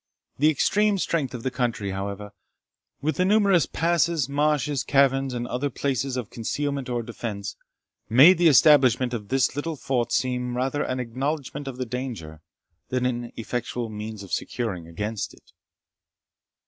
The extreme strength of the country, however, with the numerous passes, marshes, caverns, and other places of concealment or defence, made the establishment of this little fort seem rather an acknowledgment of the danger, than an effectual means of securing against it.